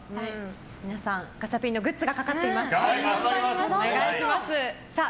皆さんガチャピンのグッズがかかっています。